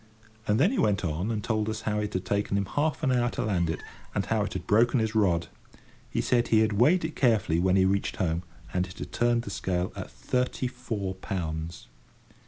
And then he went on, and told us how it had taken him half an hour to land it, and how it had broken his rod. He said he had weighed it carefully when he reached home, and it had turned the scale at thirty four pounds.